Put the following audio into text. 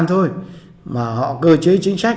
từ lúc về quy hoạch